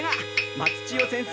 松千代先生